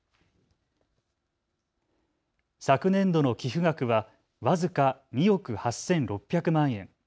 昨年度の寄付額は僅か２億８６００万円。